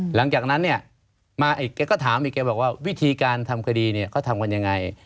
หลังจากนั้นแกก็ถามแกบอกว่าวิธีการทำคดีเขาทำกันยังไง